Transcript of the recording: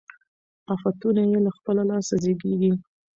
آفتونه یې له خپله لاسه زېږي